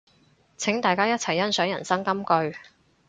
請大家一齊欣賞人生金句